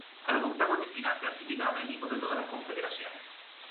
A los octavos de final clasificaron equipos de todas las confederaciones.